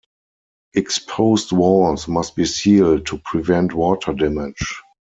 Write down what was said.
Exposed walls must be sealed to prevent water damage.